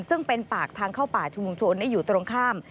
ซึ่งเป็นปากทางเข้าป่าชุมชนอยู่ตรงข้าม